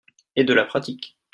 Et de la pratique